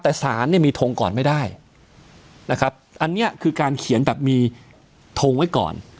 แต่สารเนี่ยมีทงก่อนไม่ได้นะครับอันนี้คือการเขียนแบบมีทงไว้ก่อน